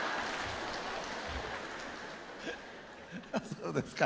そうですか。